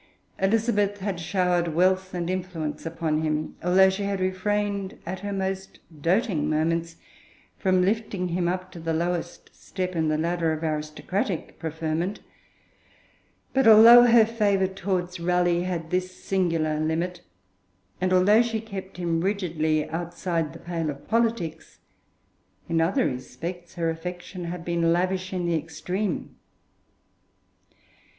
Elizabeth had showered wealth and influence upon him, although she had refrained, at her most doting moments, from lifting him up to the lowest step in the ladder of aristocratic preferment. But although her favour towards Raleigh had this singular limit, and although she kept him rigidly outside the pale of politics, in other respects her affection had been lavish in the extreme.